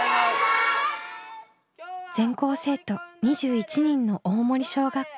全校生徒２１人の大森小学校。